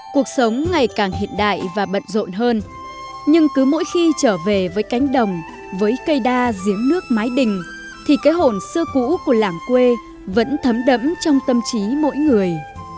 cuộc sống ngày càng hiện đại và bận rộn hơn nhưng cứ mỗi khi trở về với cánh đồng với cây đa giếng nước mái đình thì cái hồn xưa cũ của làng quê vẫn thấm đẫm trong tâm trí mỗi người